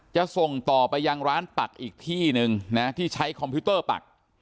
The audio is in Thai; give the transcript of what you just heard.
จะส่งต่อไปยังร้านปักอีกที่หนึ่งนะที่ใช้คอมพิวเตอร์ปัก